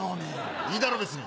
いいだろ別に。